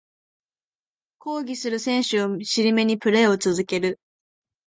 抗議する選手を尻目にプレイを続ける